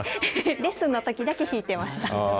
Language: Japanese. レッスンのときだけ弾いてました。